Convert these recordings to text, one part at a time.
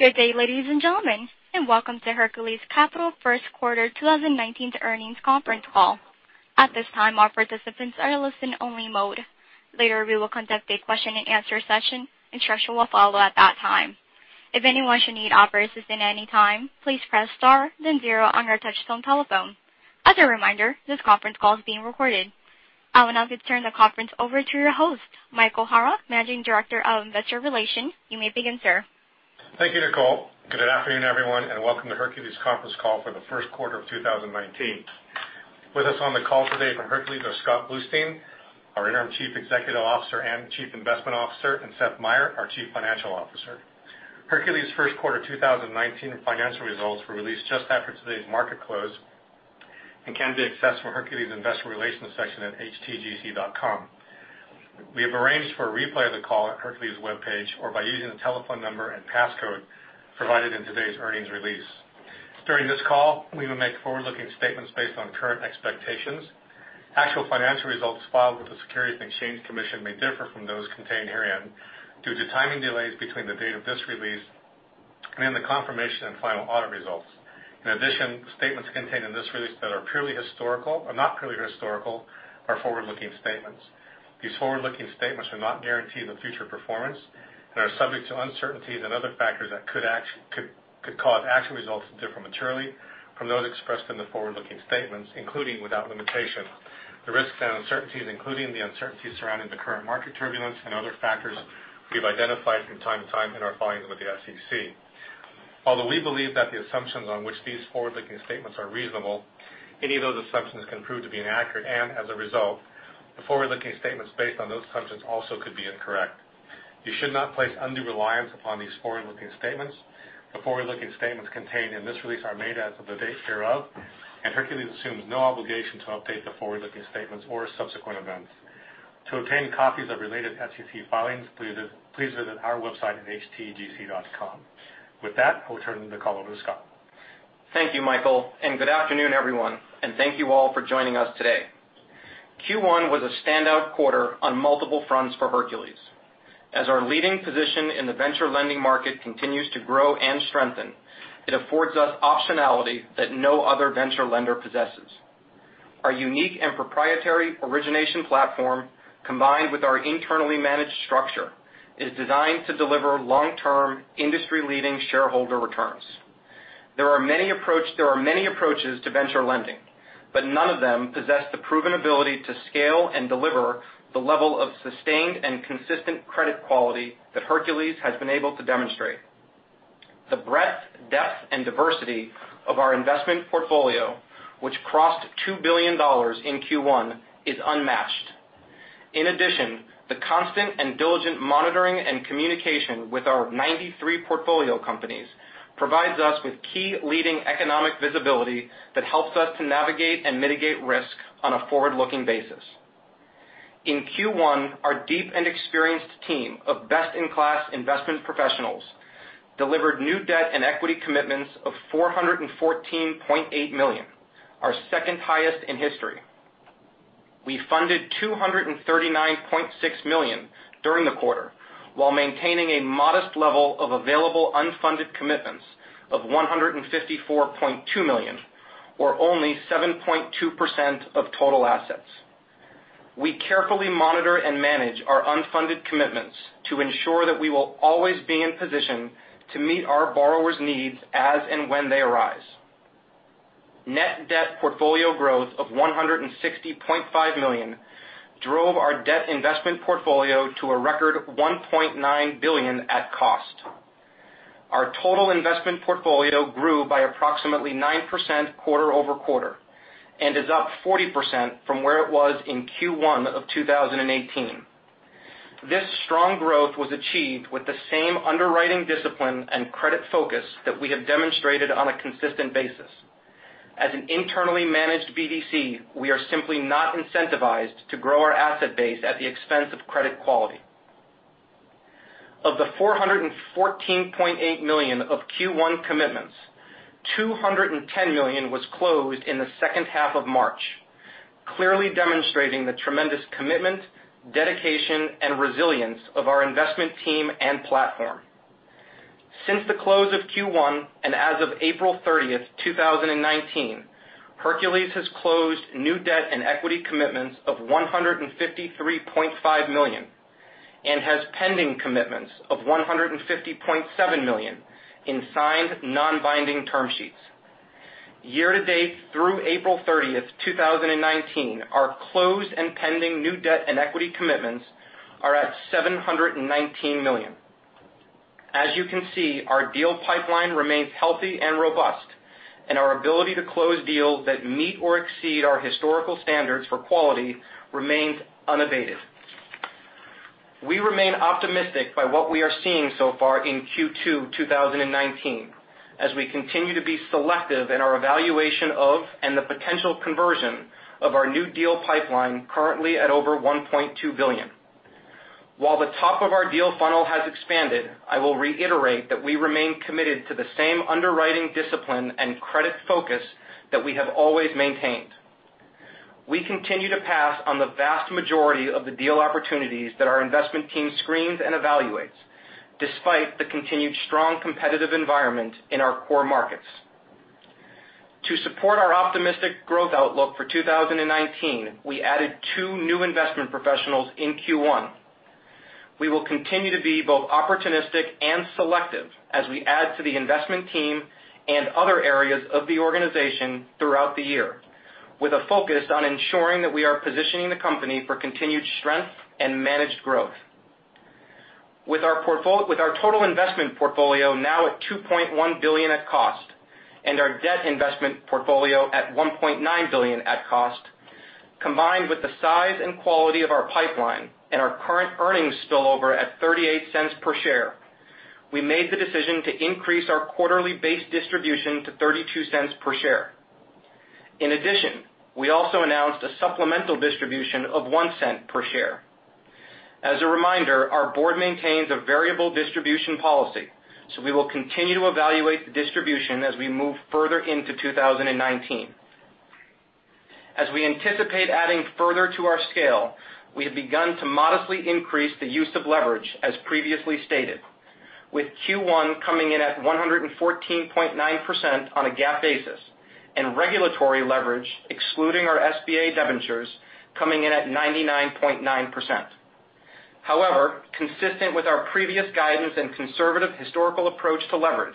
Good day, ladies and gentlemen, and welcome to Hercules Capital First Quarter 2019 Earnings Conference Call. At this time, all participants are in listen-only mode. Later, we will conduct a question-and-answer session. Instruction will follow at that time. If anyone should need operator assistance at any time, please press star then zero on your touchtone telephone. As a reminder, this conference call is being recorded. I will now return the conference over to your host, Michael Hara, Managing Director of Investor Relations. You may begin, sir. Thank you, Nicole. Good afternoon, everyone, and welcome to Hercules conference call for the first quarter of 2019. With us on the call today from Hercules are Scott Bluestein, our Interim Chief Executive Officer and Chief Investment Officer, and Seth Meyer, our Chief Financial Officer. Hercules' first quarter 2019 financial results were released just after today's market close and can be accessed from Hercules' Investor Relations section at htgc.com. We have arranged for a replay of the call at Hercules' webpage or by using the telephone number and passcode provided in today's earnings release. During this call, we will make forward-looking statements based on current expectations. Actual financial results filed with the Securities and Exchange Commission may differ from those contained herein due to timing delays between the date of this release and the confirmation of final audit results. In addition, statements contained in this release that are not purely historical are forward-looking statements. These forward-looking statements do not guarantee the future performance and are subject to uncertainties and other factors that could cause actual results to differ materially from those expressed in the forward-looking statements, including, without limitation, the risks and uncertainties, including the uncertainties surrounding the current market turbulence and other factors we've identified from time to time in our filings with the SEC. Although we believe that the assumptions on which these forward-looking statements are reasonable, any of those assumptions can prove to be inaccurate, and as a result, the forward-looking statements based on those assumptions also could be incorrect. You should not place undue reliance upon these forward-looking statements. The forward-looking statements contained in this release are made as of the date hereof, Hercules assumes no obligation to update the forward-looking statements or subsequent events. To obtain copies of related SEC filings, please visit our website at htgc.com. With that, I will turn the call over to Scott. Thank you, Michael, and good afternoon, everyone, and thank you all for joining us today. Q1 was a standout quarter on multiple fronts for Hercules. As our leading position in the venture lending market continues to grow and strengthen, it affords us optionality that no other venture lender possesses. Our unique and proprietary origination platform, combined with our internally managed structure, is designed to deliver long-term, industry-leading shareholder returns. There are many approaches to venture lending, but none of them possess the proven ability to scale and deliver the level of sustained and consistent credit quality that Hercules has been able to demonstrate. The breadth, depth and diversity of our investment portfolio, which crossed $2 billion in Q1, is unmatched. In addition, the constant and diligent monitoring and communication with our 93 portfolio companies provides us with key leading economic visibility that helps us to navigate and mitigate risk on a forward-looking basis. In Q1, our deep and experienced team of best-in-class investment professionals delivered new debt and equity commitments of $414.8 million, our second highest in history. We funded $239.6 million during the quarter while maintaining a modest level of available unfunded commitments of $154.2 million, or only 7.2% of total assets. We carefully monitor and manage our unfunded commitments to ensure that we will always be in position to meet our borrowers' needs as and when they arise. Net debt portfolio growth of $160.5 million drove our debt investment portfolio to a record of $1.9 billion at cost. Our total investment portfolio grew by approximately 9% quarter-over-quarter and is up 40% from where it was in Q1 of 2018. This strong growth was achieved with the same underwriting discipline and credit focus that we have demonstrated on a consistent basis. As an internally managed BDC, we are simply not incentivized to grow our asset base at the expense of credit quality. Of the $414.8 million of Q1 commitments, $210 million was closed in the second half of March, clearly demonstrating the tremendous commitment, dedication, and resilience of our investment team and platform. Since the close of Q1 and as of April 30th, 2019, Hercules has closed new debt and equity commitments of $153.5 million and has pending commitments of $150.7 million in signed non-binding term sheets. Year to date through April 30th, 2019, our closed and pending new debt and equity commitments are at $719 million. As you can see, our deal pipeline remains healthy and robust, and our ability to close deals that meet or exceed our historical standards for quality remains unabated. We remain optimistic by what we are seeing so far in Q2 2019 as we continue to be selective in our evaluation of and the potential conversion of our new deal pipeline currently at over $1.2 billion. While the top of our deal funnel has expanded, I will reiterate that we remain committed to the same underwriting discipline and credit focus that we have always maintained. We continue to pass on the vast majority of the deal opportunities that our investment team screens and evaluates, despite the continued strong competitive environment in our core markets. To support our optimistic growth outlook for 2019, we added two new investment professionals in Q1. We will continue to be both opportunistic and selective as we add to the investment team and other areas of the organization throughout the year, with a focus on ensuring that we are positioning the company for continued strength and managed growth. With our total investment portfolio now at $2.1 billion at cost, and our debt investment portfolio at $1.9 billion at cost, combined with the size and quality of our pipeline and our current earnings spill over at $0.38 per share, we made the decision to increase our quarterly base distribution to $0.32 per share. In addition, we also announced a supplemental distribution of $0.01 per share. As a reminder, our board maintains a variable distribution policy. We will continue to evaluate the distribution as we move further into 2019. As we anticipate adding further to our scale, we have begun to modestly increase the use of leverage, as previously stated, with Q1 coming in at 114.9% on a GAAP basis, and regulatory leverage excluding our SBA debentures coming in at 99.9%. However, consistent with our previous guidance and conservative historical approach to leverage,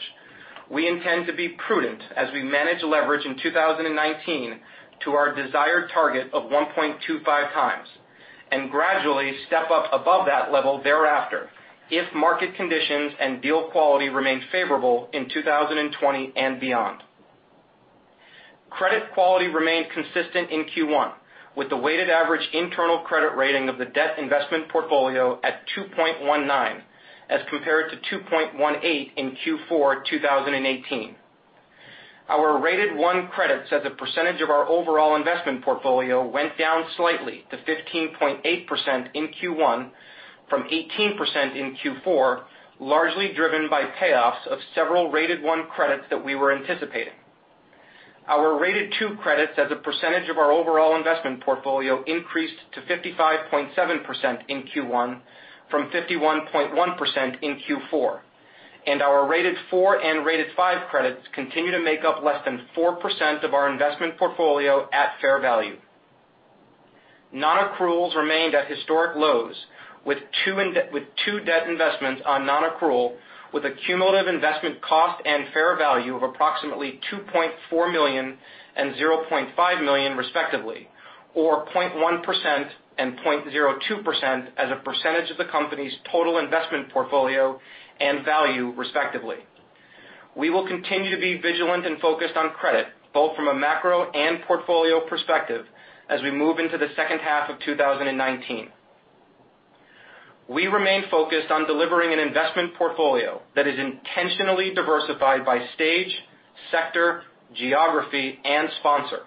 we intend to be prudent as we manage leverage in 2019 to our desired target of 1.25x, and gradually step up above that level thereafter if market conditions and deal quality remain favorable in 2020 and beyond. Credit quality remained consistent in Q1, with the weighted average internal credit rating of the debt investment portfolio at 2.19, as compared to 2.18 in Q4 2018. Our rated 1 credits as a percentage of our overall investment portfolio went down slightly to 15.8% in Q1 from 18% in Q4, largely driven by payoffs of several rated 1 credits that we were anticipating. Our rated 2 credits as a percentage of our overall investment portfolio increased to 55.7% in Q1 from 51.1% in Q4, and our rated 4 and rated 5 credits continue to make up less than 4% of our investment portfolio at fair value. Non-accruals remained at historic lows, with two debt investments on non-accrual, with a cumulative investment cost and fair value of approximately $2.4 million and $0.5 million, respectively, or 0.1% and 0.02% as a percentage of the company's total investment portfolio and value, respectively. We will continue to be vigilant and focused on credit, both from a macro and portfolio perspective, as we move into the second half of 2019. We remain focused on delivering an investment portfolio that is intentionally diversified by stage, sector, geography, and sponsor.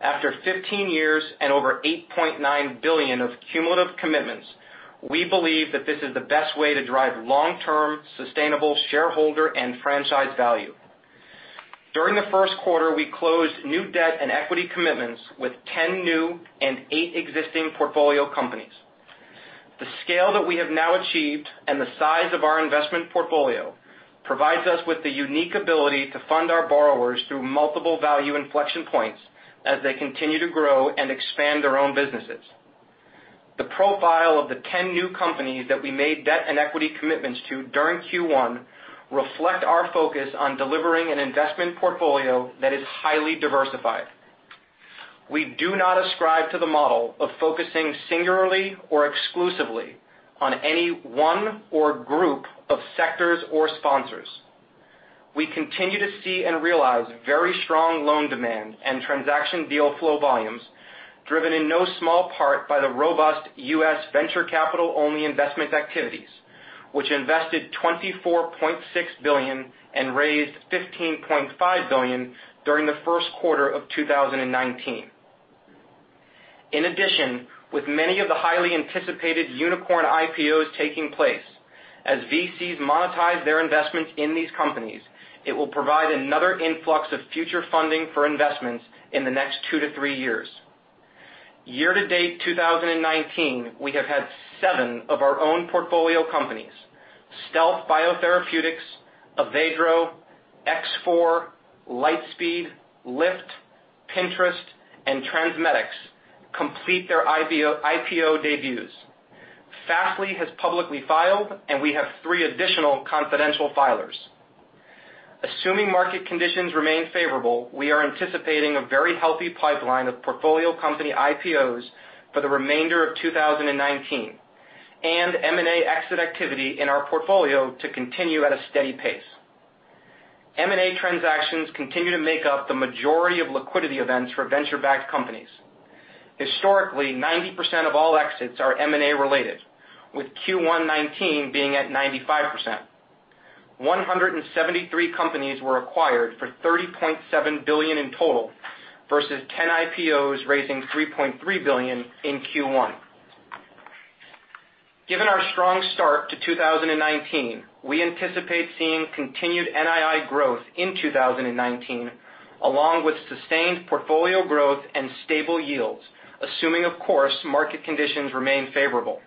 After 15 years and over $8.9 billion of cumulative commitments, we believe that this is the best way to drive long-term, sustainable shareholder and franchise value. During the first quarter, we closed new debt and equity commitments with 10 new and eight existing portfolio companies. The scale that we have now achieved and the size of our investment portfolio provides us with the unique ability to fund our borrowers through multiple value inflection points as they continue to grow and expand their own businesses. The profile of the 10 new companies that we made debt and equity commitments to during Q1 reflect our focus on delivering an investment portfolio that is highly diversified. We do not ascribe to the model of focusing singularly or exclusively on any one or group of sectors or sponsors. We continue to see and realize very strong loan demand and transaction deal flow volumes driven in no small part by the robust U.S. venture capital only investment activities, which invested $24.6 billion and raised $15.5 billion during the first quarter of 2019. In addition, with many of the highly anticipated unicorn IPOs taking place, as VCs monetize their investment in these companies, it will provide another influx of future funding for investments in the next two to three years. Year to date 2019, we have had seven of our own portfolio companies, Stealth BioTherapeutics, Avedro, X4, Lightspeed, Lyft, Pinterest, and TransMedics, complete their IPO debuts. Fastly has publicly filed, and we have three additional confidential filers. Assuming market conditions remain favorable, we are anticipating a very healthy pipeline of portfolio company IPOs for the remainder of 2019 and M&A exit activity in our portfolio to continue at a steady pace. M&A transactions continue to make up the majority of liquidity events for venture-backed companies. Historically, 90% of all exits are M&A related, with Q1 2019 being at 95%. 173 companies were acquired for $30.7 billion in total versus 10 IPOs raising $3.3 billion in Q1. Given our strong start to 2019, we anticipate seeing continued NII growth in 2019, along with sustained portfolio growth and stable yields, assuming, of course, market conditions remain favorable.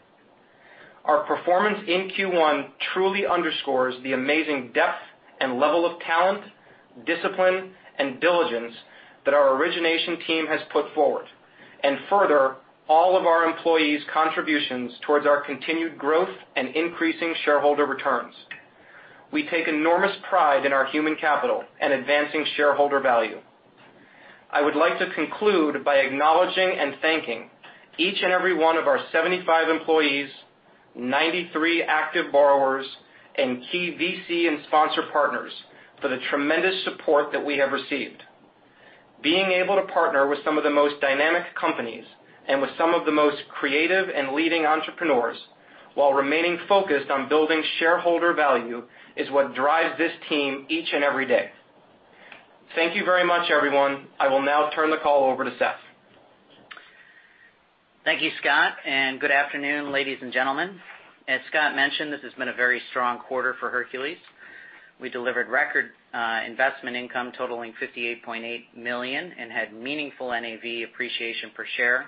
Our performance in Q1 truly underscores the amazing depth and level of talent, discipline, and diligence that our origination team has put forward, and further, all of our employees' contributions towards our continued growth and increasing shareholder returns. We take enormous pride in our human capital and advancing shareholder value. I would like to conclude by acknowledging and thanking each and every one of our 75 employees, 93 active borrowers, and key VC and sponsor partners for the tremendous support that we have received. Being able to partner with some of the most dynamic companies and with some of the most creative and leading entrepreneurs while remaining focused on building shareholder value is what drives this team each and every day. Thank you very much, everyone. I will now turn the call over to Seth. Thank you, Scott, and good afternoon, ladies and gentlemen. As Scott mentioned, this has been a very strong quarter for Hercules. We delivered record investment income totaling $58.8 million and had meaningful NAV appreciation per share.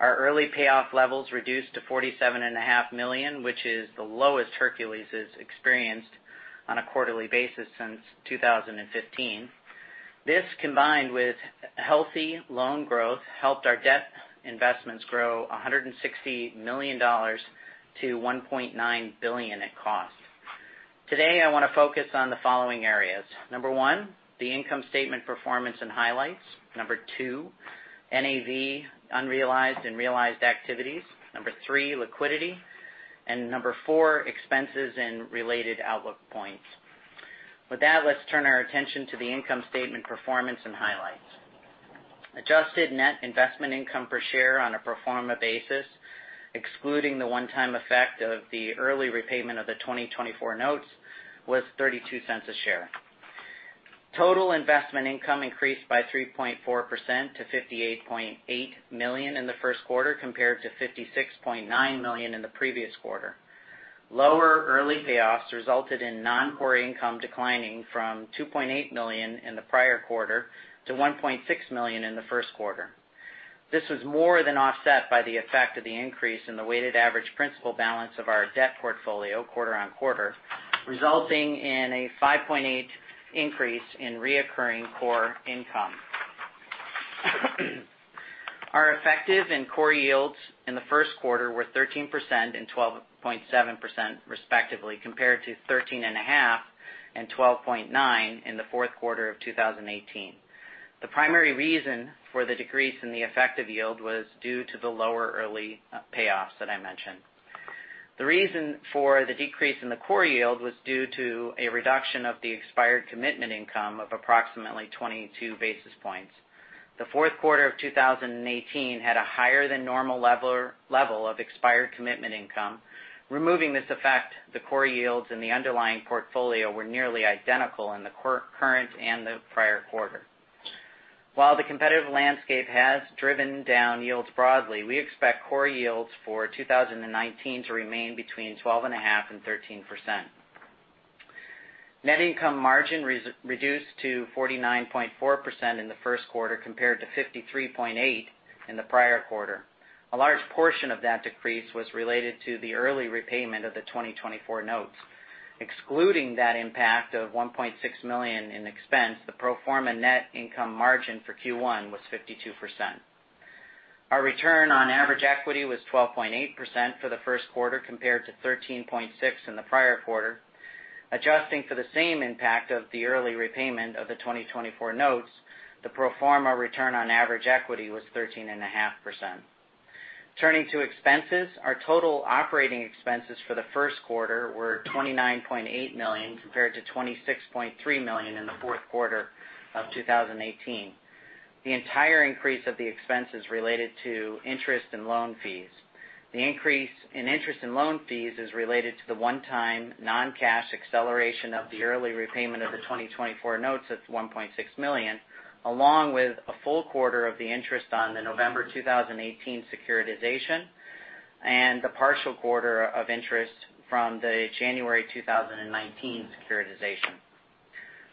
Our early payoff levels reduced to $47.5 million, which is the lowest Hercules has experienced on a quarterly basis since 2015. This, combined with healthy loan growth, helped our debt investments grow $160 million to $1.9 billion at cost. Today, I want to focus on the following areas. Number one, the income statement performance and highlights. Number two, NAV unrealized and realized activities. Number three, liquidity. Number four, expenses and related outlook points. With that, let's turn our attention to the income statement performance and highlights. Adjusted net investment income per share on a pro forma basis, excluding the one-time effect of the early repayment of the 2024 notes, was $0.32 a share. Total investment income increased by 3.4% to $58.8 million in the first quarter, compared to $56.9 million in the previous quarter. Lower early payoffs resulted in non-core income declining from $2.8 million in the prior quarter to $1.6 million in the first quarter. This was more than offset by the effect of the increase in the weighted average principal balance of our debt portfolio quarter on quarter, resulting in a 5.8% increase in reoccurring core income. Our effective and core yields in the first quarter were 13% and 12.7%, respectively, compared to 13.5% and 12.9% in the fourth quarter of 2018. The primary reason for the decrease in the effective yield was due to the lower early payoffs that I mentioned. The reason for the decrease in the core yield was due to a reduction of the expired commitment income of approximately 22 basis points. The fourth quarter of 2018 had a higher than normal level of expired commitment income. Removing this effect, the core yields in the underlying portfolio were nearly identical in the current and the prior quarter. While the competitive landscape has driven down yields broadly, we expect core yields for 2019 to remain between 12.5% and 13%. Net income margin reduced to 49.4% in the first quarter, compared to 53.8% in the prior quarter. A large portion of that decrease was related to the early repayment of the 2024 notes. Excluding that impact of $1.6 million in expense, the pro forma net income margin for Q1 was 52%. Our return on average equity was 12.8% for the first quarter, compared to 13.6% in the prior quarter. Adjusting for the same impact of the early repayment of the 2024 notes, the pro forma return on average equity was 13.5%. Turning to expenses, our total operating expenses for the first quarter were $29.8 million, compared to $26.3 million in the fourth quarter of 2018. The entire increase of the expense is related to interest and loan fees. The increase in interest and loan fees is related to the one-time non-cash acceleration of the early repayment of the 2024 notes at $1.6 million, along with a full quarter of the interest on the November 2018 securitization and the partial quarter of interest from the January 2019 securitization.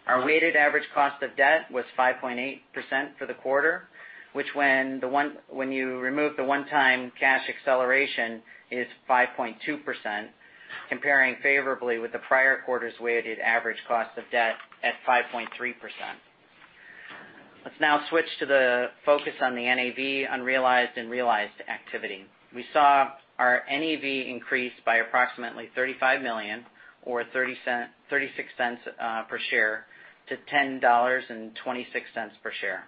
Our weighted average cost of debt was 5.8% for the quarter, which when you remove the one-time cash acceleration, is 5.2%, comparing favorably with the prior quarter's weighted average cost of debt at 5.3%. Let's now switch to the focus on the NAV unrealized and realized activity. We saw our NAV increase by approximately $35 million or $0.36 per share to $10.26 per share,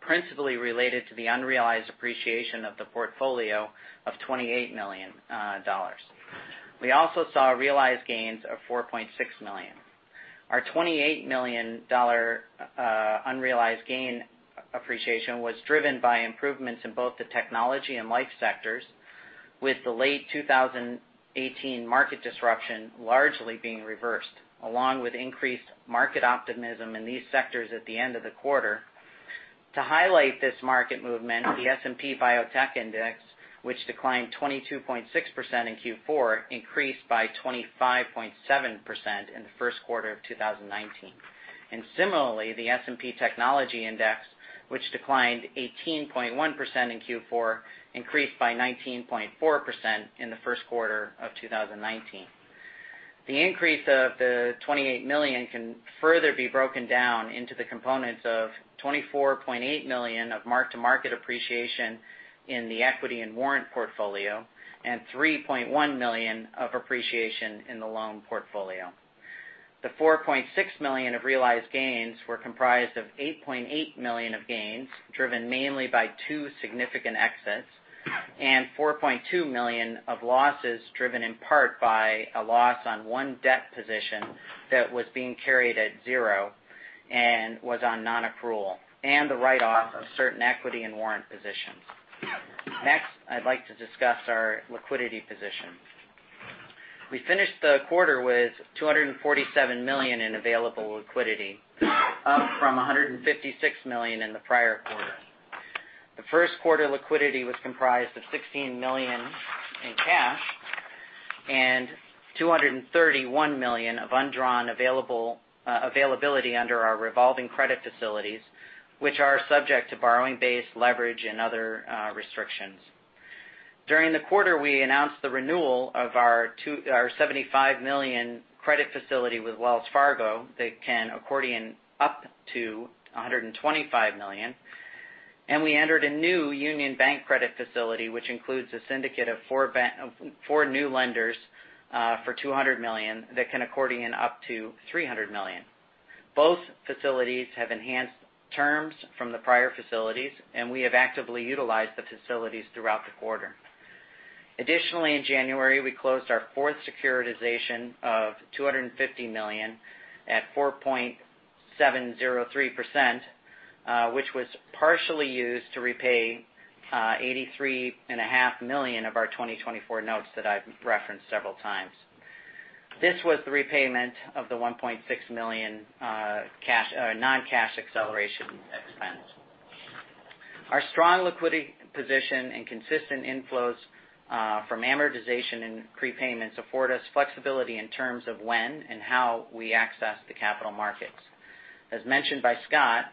principally related to the unrealized appreciation of the portfolio of $28 million. We also saw realized gains of $4.6 million. Our $28 million unrealized gain appreciation was driven by improvements in both the technology and life sectors, with the late 2018 market disruption largely being reversed, along with increased market optimism in these sectors at the end of the quarter. To highlight this market movement, the S&P Biotech Index, which declined 22.6% in Q4, increased by 25.7% in the first quarter of 2019. Similarly, the S&P Technology Index, which declined 18.1% in Q4, increased by 19.4% in the first quarter of 2019. The increase of the $28 million can further be broken down into the components of $24.8 million of mark-to-market appreciation in the equity and warrant portfolio and $3.1 million of appreciation in the loan portfolio. The $4.6 million of realized gains were comprised of $8.8 million of gains, driven mainly by two significant exits, and $4.2 million of losses, driven in part by a loss on one debt position that was being carried at zero and was on non-accrual, and the write-off of certain equity and warrant positions. I'd like to discuss our liquidity position. We finished the quarter with $247 million in available liquidity, up from $156 million in the prior quarter. The first quarter liquidity was comprised of $16 million in cash and $231 million of undrawn availability under our revolving credit facilities, which are subject to borrowing base leverage and other restrictions. During the quarter, we announced the renewal of our $75 million credit facility with Wells Fargo that can accordion up to $125 million, and we entered a new Union Bank credit facility, which includes a syndicate of four new lenders for $200 million that can accordion up to $300 million. Both facilities have enhanced terms from the prior facilities, and we have actively utilized the facilities throughout the quarter. In January, we closed our fourth securitization of $250 million at 4.703%, which was partially used to repay $83.5 million of our 2024 notes that I've referenced several times. This was the repayment of the $1.6 million non-cash acceleration expense. Our strong liquidity position and consistent inflows from amortization and prepayments afford us flexibility in terms of when and how we access the capital markets. As mentioned by Scott,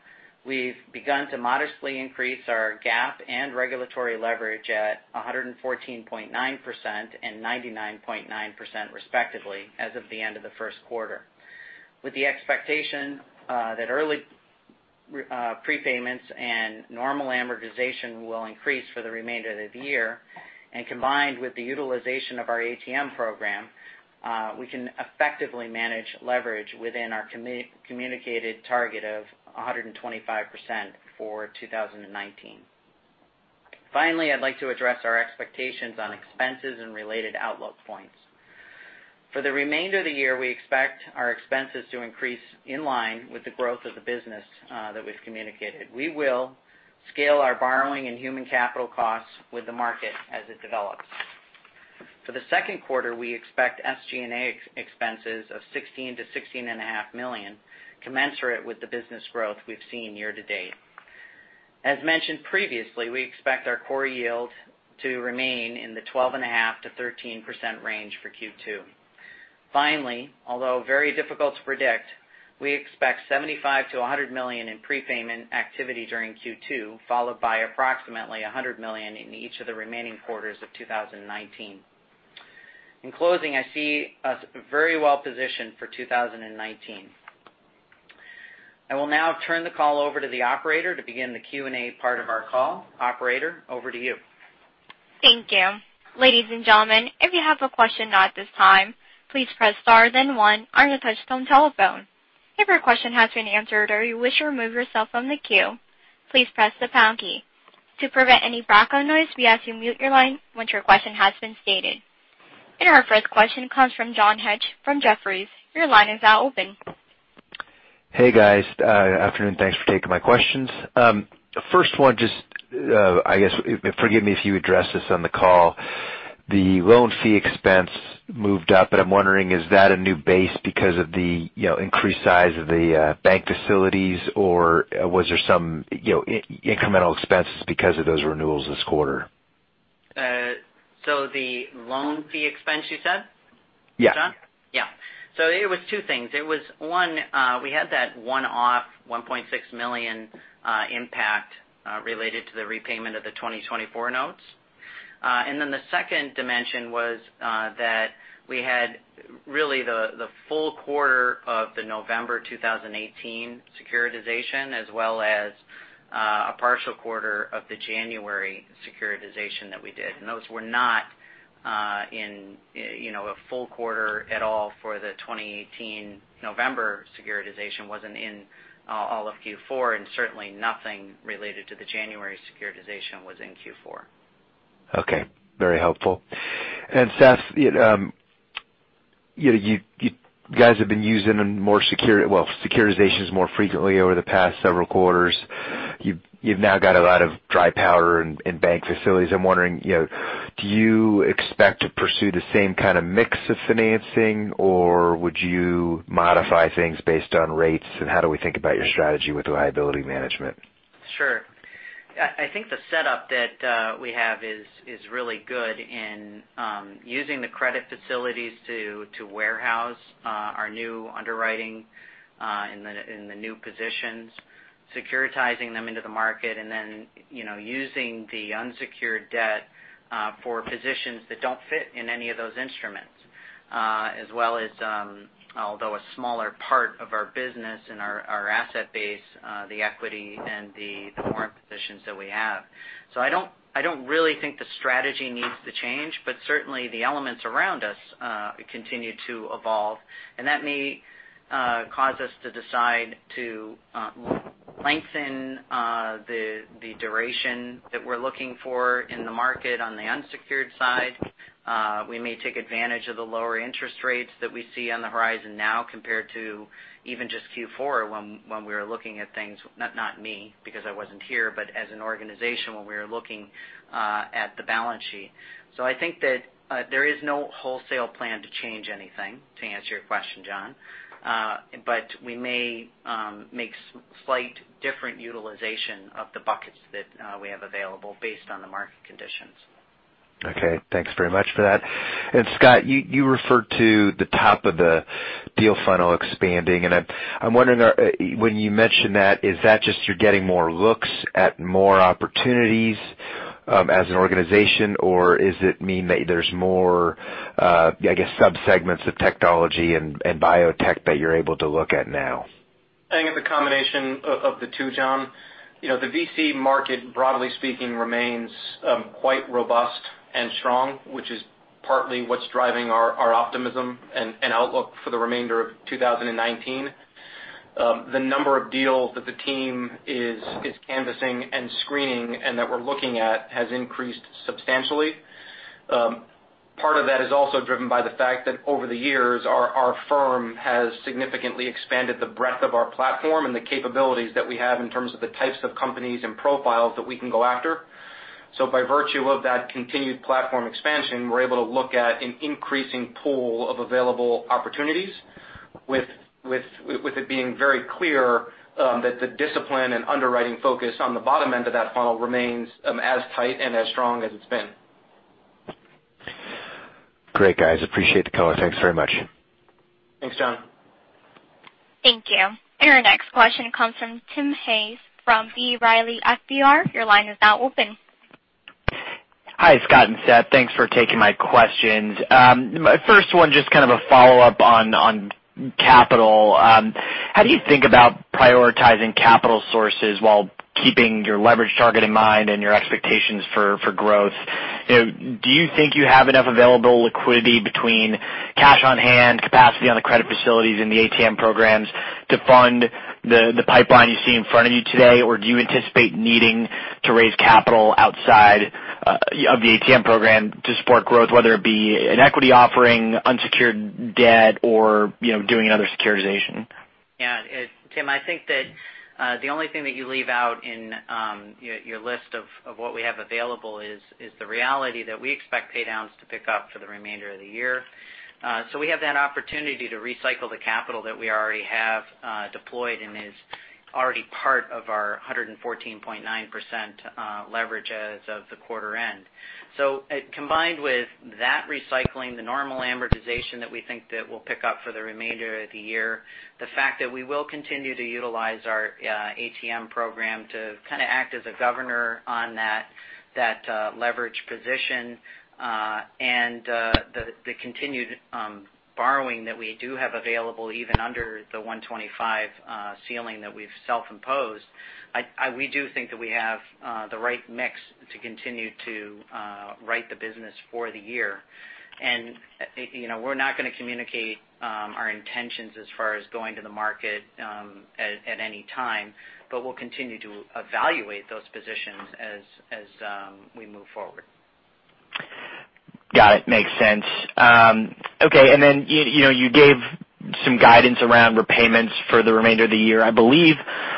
we've begun to modestly increase our GAAP and regulatory leverage at 114.9% and 99.9%, respectively, as of the end of the first quarter. With the expectation that early prepayments and normal amortization will increase for the remainder of the year, and combined with the utilization of our ATM program, we can effectively manage leverage within our communicated target of 125% for 2019. I'd like to address our expectations on expenses and related outlook points. For the remainder of the year, we expect our expenses to increase in line with the growth of the business that we've communicated. We will scale our borrowing and human capital costs with the market as it develops. For the second quarter, we expect SG&A expenses of $16 million-$16.5 million, commensurate with the business growth we've seen year to date. As mentioned previously, we expect our core yield to remain in the 12.5%-13% range for Q2. Although very difficult to predict, we expect $75 million-$100 million in prepayment activity during Q2, followed by approximately $100 million in each of the remaining quarters of 2019. In closing, I see us very well positioned for 2019. I will now turn the call over to the operator to begin the Q&A part of our call. Operator, over to you. Thank you. Ladies and gentlemen, if you have a question at this time, please press star then one on your touchtone telephone. If your question has been answered or you wish to remove yourself from the queue, please press the pound key. To prevent any background noise, we ask you mute your line once your question has been stated. Our first question comes from John Hecht from Jefferies. Your line is now open. Hey, guys. Afternoon. Thanks for taking my questions. First one, just, I guess, forgive me if you addressed this on the call. The loan fee expense moved up, and I'm wondering, is that a new base because of the increased size of the bank facilities, or was there some incremental expenses because of those renewals this quarter? The loan fee expense, you said? Yeah. John? Yeah. It was two things. It was one, we had that one-off $1.6 million impact related to the repayment of the 2024 notes. Then the second dimension was that we had really the full quarter of the November 2018 securitization as well as a partial quarter of the January securitization that we did. Those were not in a full quarter at all for the 2018 November securitization, wasn't in all of Q4, and certainly nothing related to the January securitization was in Q4. Okay. Very helpful. Seth, you guys have been using securitizations more frequently over the past several quarters. You've now got a lot of dry powder in bank facilities. I'm wondering, do you expect to pursue the same kind of mix of financing, or would you modify things based on rates? How do we think about your strategy with liability management? Sure. I think the setup that we have is really good in using the credit facilities to warehouse our new underwriting in the new positions, securitizing them into the market, and then using the unsecured debt for positions that don't fit in any of those instruments. As well as, although a smaller part of our business and our asset base, the equity and the warrant positions that we have. I don't really think the strategy needs to change, but certainly the elements around us continue to evolve. That may cause us to decide to lengthen the duration that we're looking for in the market on the unsecured side. We may take advantage of the lower interest rates that we see on the horizon now compared to even just Q4 when we were looking at things. Not me, because I wasn't here, but as an organization when we were looking at the balance sheet. I think that there is no wholesale plan to change anything, to answer your question, John. We may make slight different utilization of the buckets that we have available based on the market conditions. Okay. Thanks very much for that. Scott, you referred to the top of the deal funnel expanding, and I'm wondering, when you mention that, is that just you're getting more looks at more opportunities as an organization, or is it mean that there's more subsegments of technology and biotech that you're able to look at now? I think it's a combination of the two, John. The VC market, broadly speaking, remains quite robust and strong, which is partly what's driving our optimism and outlook for the remainder of 2019. The number of deals that the team is canvassing and screening and that we're looking at has increased substantially. Part of that is also driven by the fact that over the years, our firm has significantly expanded the breadth of our platform and the capabilities that we have in terms of the types of companies and profiles that we can go after. By virtue of that continued platform expansion, we're able to look at an increasing pool of available opportunities with it being very clear that the discipline and underwriting focus on the bottom end of that funnel remains as tight and as strong as it's been. Great, guys. Appreciate the color. Thanks very much. Thanks, John. Thank you. Our next question comes from Tim Hayes from B. Riley FBR. Your line is now open. Hi, Scott and Seth. Thanks for taking my questions. My first one, just kind of a follow-up on capital. How do you think about prioritizing capital sources while keeping your leverage target in mind and your expectations for growth? Do you think you have enough available liquidity between cash on hand, capacity on the credit facilities, and the ATM programs to fund the pipeline you see in front of you today? Or do you anticipate needing to raise capital outside of the ATM program to support growth, whether it be an equity offering, unsecured debt, or doing another securitization? Yeah. Tim, I think that the only thing that you leave out in your list of what we have available is the reality that we expect pay downs to pick up for the remainder of the year. We have that opportunity to recycle the capital that we already have deployed and is already part of our 114.9% leverage as of the quarter end. Combined with that recycling, the normal amortization that we think that will pick up for the remainder of the year, the fact that we will continue to utilize our ATM program to kind of act as a governor on that leverage position, and the continued borrowing that we do have available, even under the 125 ceiling that we've self-imposed. We do think that we have the right mix to continue to right the business for the year. We're not going to communicate our intentions as far as going to the market at any time, but we'll continue to evaluate those positions as we move forward. Got it. Makes sense. Okay. You gave some guidance around repayments for the remainder of the year. I believe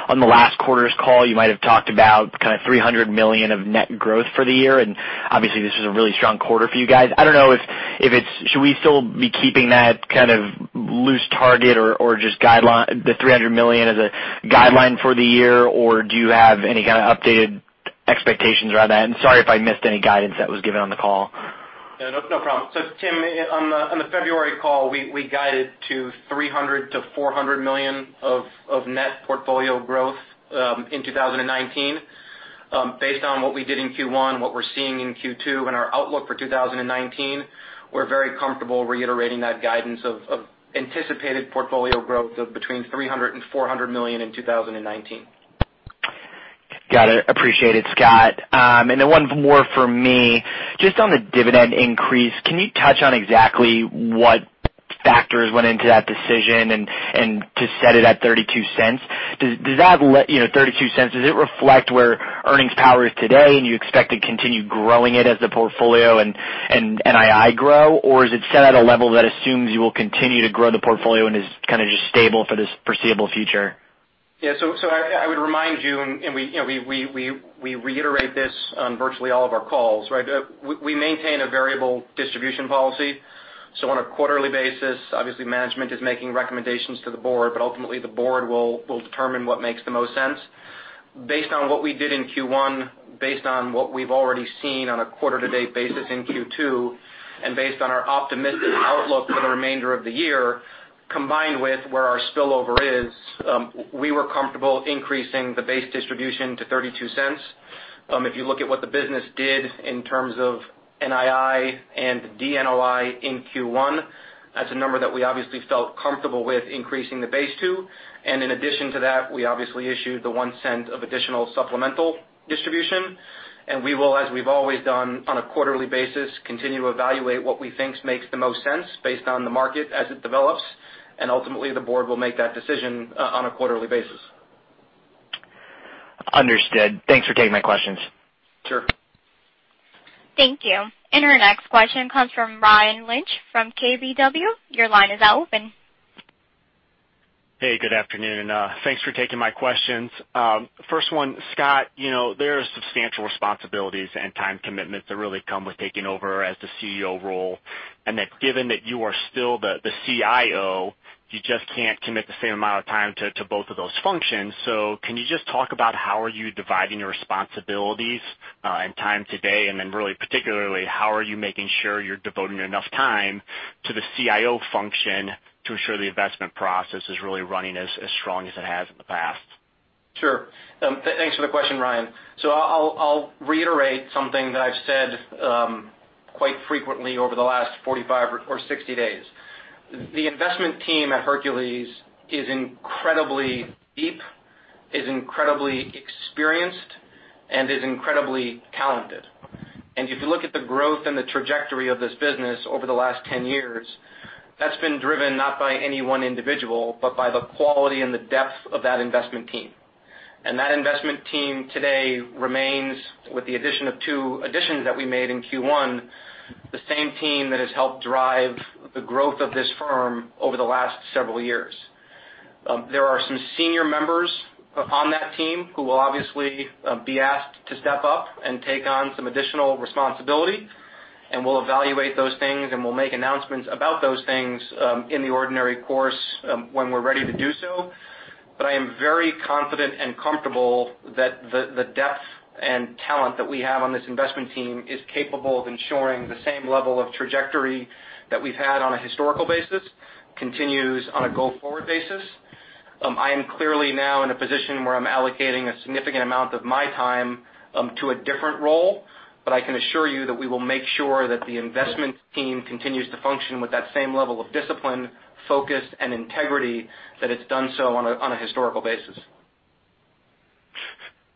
on the last quarter's call, you might have talked about $300 million of net growth for the year, and obviously this is a really strong quarter for you guys. I don't know, should we still be keeping that kind of loose target or just the $300 million as a guideline for the year, or do you have any kind of updated expectations around that? Sorry if I missed any guidance that was given on the call. No, no problem. Tim, on the February call, we guided to $300 million-$400 million of net portfolio growth in 2019. Based on what we did in Q1, what we're seeing in Q2, and our outlook for 2019, we're very comfortable reiterating that guidance of anticipated portfolio growth of between $300 million and $400 million in 2019. Got it. Appreciate it, Scott. One more from me. Just on the dividend increase, can you touch on exactly what factors went into that decision and to set it at $0.32? Does $0.32 reflect where earnings power is today and you expect to continue growing it as the portfolio and NII grow, or is it set at a level that assumes you will continue to grow the portfolio and is kind of just stable for the foreseeable future? Yeah. I would remind you, and we reiterate this on virtually all of our calls, right? We maintain a variable distribution policy. On a quarterly basis, obviously management is making recommendations to the board, but ultimately the board will determine what makes the most sense. Based on what we did in Q1, based on what we've already seen on a quarter to date basis in Q2, and based on our optimistic outlook for the remainder of the year, combined with where our spillover is, we were comfortable increasing the base distribution to $0.32. If you look at what the business did in terms of NII and DNOI in Q1, that's a number that we obviously felt comfortable with increasing the base to. In addition to that, we obviously issued the $0.01 of additional supplemental distribution. We will, as we've always done on a quarterly basis, continue to evaluate what we think makes the most sense based on the market as it develops. Ultimately, the board will make that decision on a quarterly basis. Understood. Thanks for taking my questions. Sure. Thank you. Our next question comes from Ryan Lynch from KBW. Your line is open. Hey, good afternoon. Thanks for taking my questions. First one, Scott. There are substantial responsibilities and time commitments that really come with taking over as the CEO role, and that given that you are still the CIO, you just can't commit the same amount of time to both of those functions. Can you just talk about how are you dividing your responsibilities and time today? Then really particularly, how are you making sure you're devoting enough time to the CIO function to ensure the investment process is really running as strong as it has in the past? Sure. Thanks for the question, Ryan. I'll reiterate something that I've said quite frequently over the last 45 or 60 days. The investment team at Hercules is incredibly deep, is incredibly experienced, and is incredibly talented. If you look at the growth and the trajectory of this business over the last 10 years, that's been driven not by any one individual, but by the quality and the depth of that investment team. That investment team today remains with the addition of two additions that we made in Q1, the same team that has helped drive the growth of this firm over the last several years. There are some senior members on that team who will obviously be asked to step up and take on some additional responsibility. We'll evaluate those things. We'll make announcements about those things in the ordinary course when we're ready to do so. I am very confident and comfortable that the depth and talent that we have on this investment team is capable of ensuring the same level of trajectory that we've had on a historical basis, continues on a go-forward basis. I am clearly now in a position where I'm allocating a significant amount of my time to a different role. I can assure you that we will make sure that the investment team continues to function with that same level of discipline, focus, and integrity that it's done so on a historical basis.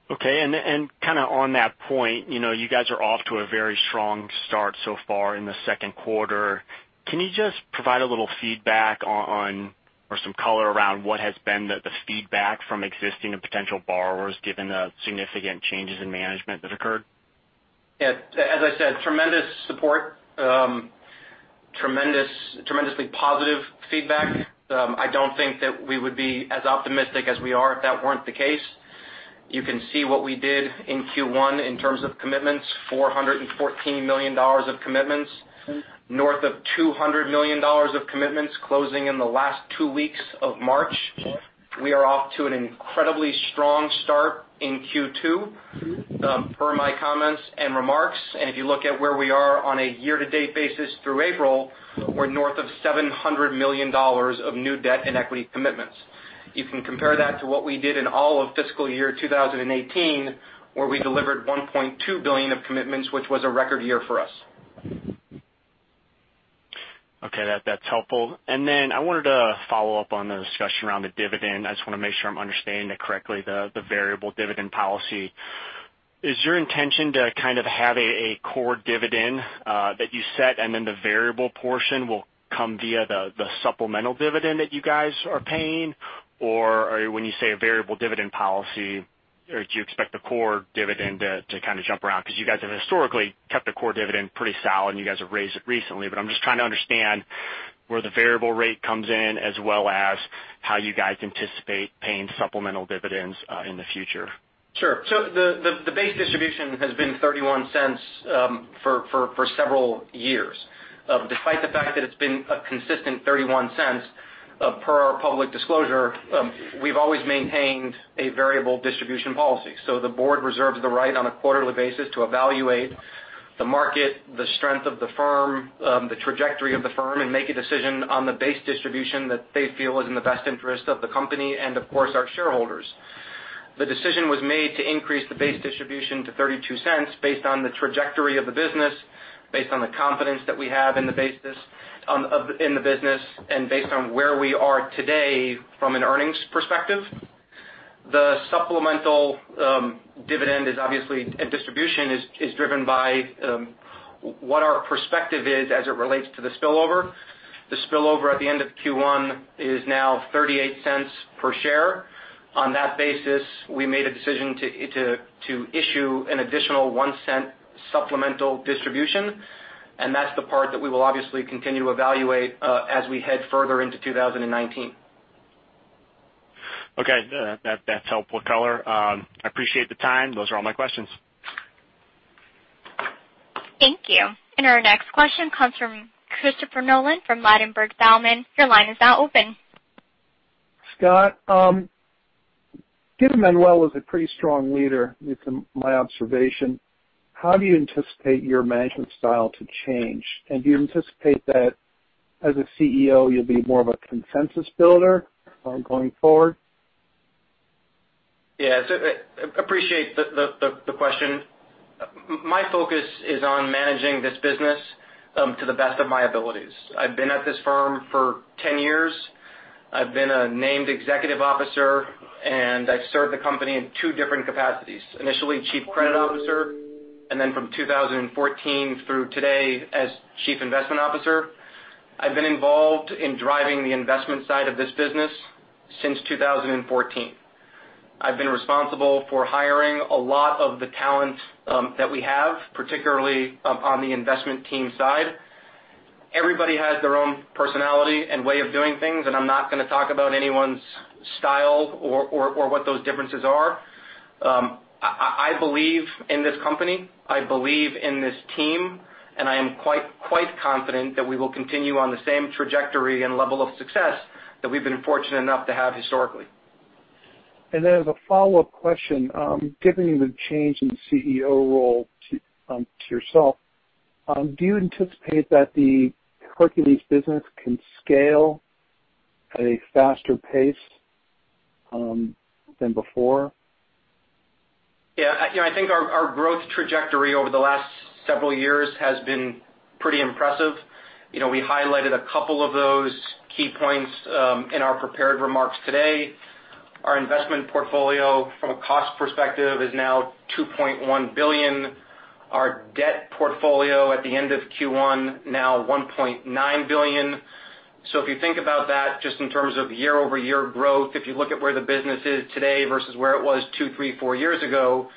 Okay, kind of on that point, you guys are off to a very strong start so far in the second quarter. Can you just provide a little feedback on or some color around what has been the feedback from existing and potential borrowers given the significant changes in management that occurred? Yeah. As I said, tremendous support, tremendously positive feedback. I don't think that we would be as optimistic as we are if that weren't the case. You can see what we did in Q1 in terms of commitments, $414 million of commitments, north of $200 million of commitments closing in the last two weeks of March. We are off to an incredibly strong start in Q2, per my comments and remarks. If you look at where we are on a year-to-date basis through April, we're north of $700 million of new debt and equity commitments. You can compare that to what we did in all of fiscal year 2018, where we delivered $1.2 billion of commitments, which was a record year for us. Okay, that's helpful. Then I wanted to follow up on the discussion around the dividend. I just want to make sure I'm understanding it correctly, the variable dividend policy. Is your intention to kind of have a core dividend that you set, and then the variable portion will come via the supplemental dividend that you guys are paying? When you say a variable dividend policy, do you expect the core dividend to kind of jump around? You guys have historically kept the core dividend pretty solid. You guys have raised it recently. I'm just trying to understand where the variable rate comes in, as well as how you guys anticipate paying supplemental dividends in the future. The base distribution has been $0.31 for several years. Despite the fact that it has been a consistent $0.31, per our public disclosure, we have always maintained a variable distribution policy. The board reserves the right on a quarterly basis to evaluate the market, the strength of the firm, the trajectory of the firm, and make a decision on the base distribution that they feel is in the best interest of the company and of course, our shareholders. The decision was made to increase the base distribution to $0.32 based on the trajectory of the business, based on the confidence that we have in the business, and based on where we are today from an earnings perspective. The supplemental dividend is obviously a distribution is driven by what our perspective is as it relates to the spillover. The spillover at the end of Q1 is now $0.38 per share. On that basis, we made a decision to issue an additional $0.01 supplemental distribution. And that is the part that we will obviously continue to evaluate as we head further into 2019. Okay. That is helpful color. I appreciate the time. Those are all my questions. Thank you. Our next question comes from Christopher Nolan from Ladenburg Thalmann. Your line is now open. Scott, given Manuel was a pretty strong leader, it's my observation, how do you anticipate your management style to change? Do you anticipate that as a CEO, you'll be more of a consensus builder going forward? Appreciate the question. My focus is on managing this business to the best of my abilities. I've been at this firm for 10 years. I've been a named executive officer, and I've served the company in two different capacities, initially chief credit officer, and then from 2014 through today as chief investment officer. I've been involved in driving the investment side of this business since 2014. I've been responsible for hiring a lot of the talent that we have, particularly on the investment team side. Everybody has their own personality and way of doing things. I'm not going to talk about anyone's style or what those differences are. I believe in this company, I believe in this team. I am quite confident that we will continue on the same trajectory and level of success that we've been fortunate enough to have historically. As a follow-up question, given the change in the CEO role to yourself, do you anticipate that the Hercules business can scale at a faster pace than before? I think our growth trajectory over the last several years has been pretty impressive. We highlighted a couple of those key points in our prepared remarks today. Our investment portfolio, from a cost perspective, is now $2.1 billion. Our debt portfolio at the end of Q1, now $1.9 billion. If you think about that just in terms of year-over-year growth, if you look at where the business is today versus where it was two, three, four years ago,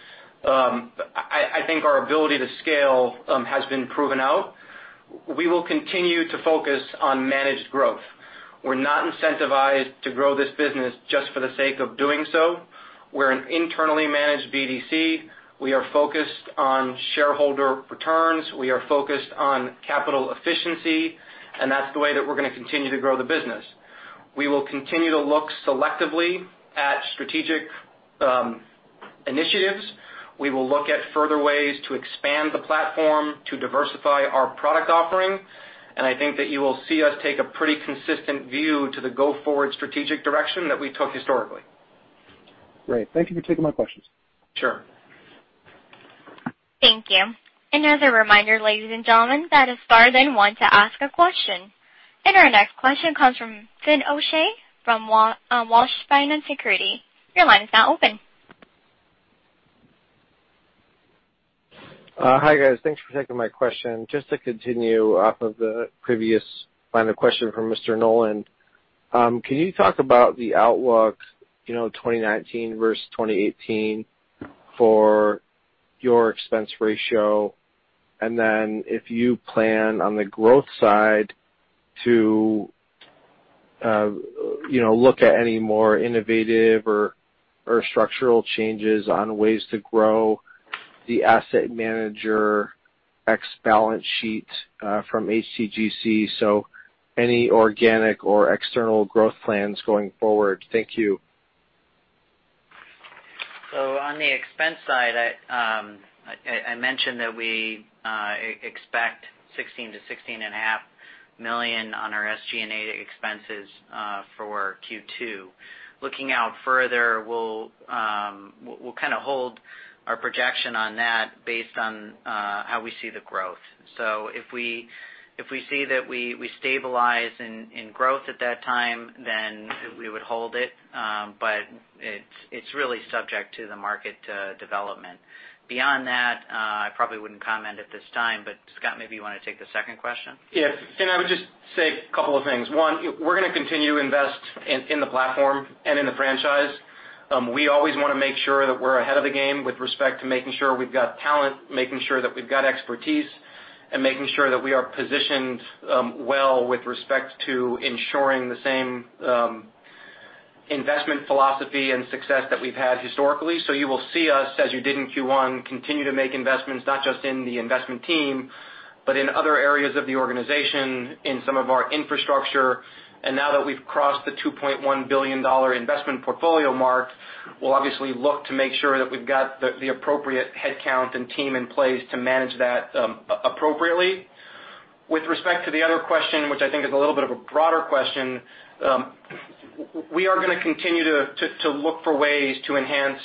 I think our ability to scale has been proven out. We will continue to focus on managed growth. We're not incentivized to grow this business just for the sake of doing so. We're an internally managed BDC. We are focused on shareholder returns. We are focused on capital efficiency. That's the way that we're going to continue to grow the business. We will continue to look selectively at strategic initiatives. We will look at further ways to expand the platform to diversify our product offering. I think that you will see us take a pretty consistent view to the go-forward strategic direction that we took historically. Great. Thank you for taking my questions. Sure. Thank you. As a reminder, ladies and gentlemen, that is far then want to ask a question. Our next question comes from Fin O'Shea from Wells Fargo Securities. Your line is now open. Hi, guys. Thanks for taking my question. Just to continue off of the previous final question from Mr. Nolan. Can you talk about the outlook 2019 versus 2018 for your expense ratio? If you plan on the growth side to look at any more innovative or structural changes on ways to grow the asset manager X balance sheet from HTGC. Any organic or external growth plans going forward? Thank you. On the expense side, I mentioned that we expect $16 million-$16.5 million on our SG&A expenses for Q2. Looking out further, we'll kind of hold our projection on that based on how we see the growth. If we see that we stabilize in growth at that time, then we would hold it. It's really subject to the market development. Beyond that, I probably wouldn't comment at this time. Scott, maybe you want to take the second question? Yeah. I would just say a couple of things. One, we're going to continue to invest in the platform and in the franchise. We always want to make sure that we're ahead of the game with respect to making sure we've got talent, making sure that we've got expertise, and making sure that we are positioned well with respect to ensuring the same investment philosophy and success that we've had historically. You will see us, as you did in Q1, continue to make investments, not just in the investment team, but in other areas of the organization, in some of our infrastructure. Now that we've crossed the $2.1 billion investment portfolio mark, we'll obviously look to make sure that we've got the appropriate headcount and team in place to manage that appropriately. With respect to the other question, which I think is a little bit of a broader question, we are going to continue to look for ways to enhance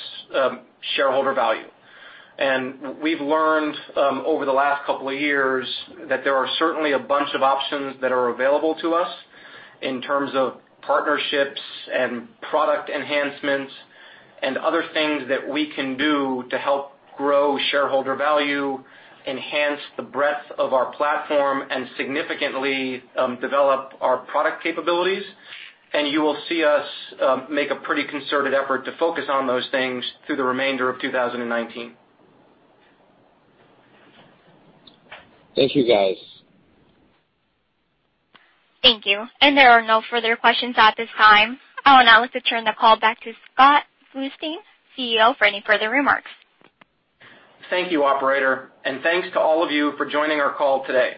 shareholder value. We've learned over the last couple of years that there are certainly a bunch of options that are available to us in terms of partnerships and product enhancements and other things that we can do to help grow shareholder value, enhance the breadth of our platform, and significantly develop our product capabilities. You will see us make a pretty concerted effort to focus on those things through the remainder of 2019. Thank you, guys. Thank you. There are no further questions at this time. I would now like to turn the call back to Scott Bluestein, CEO, for any further remarks. Thank you, operator. Thanks to all of you for joining our call today.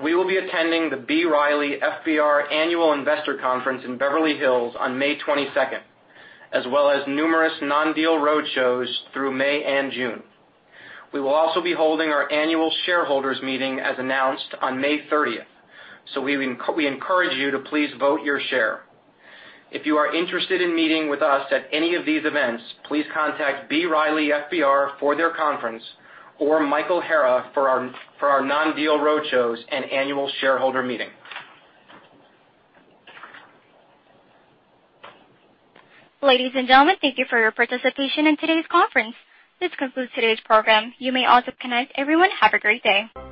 We will be attending the B. Riley FBR Annual Investor Conference in Beverly Hills on May 22nd, as well as numerous non-deal roadshows through May and June. We will also be holding our annual shareholders meeting as announced on May 30th. We encourage you to please vote your share. If you are interested in meeting with us at any of these events, please contact B. Riley FBR for their conference or Michael Hara for our non-deal roadshows and annual shareholder meeting. Ladies and gentlemen, thank you for your participation in today's conference. This concludes today's program. You may also disconnect. Everyone, have a great day.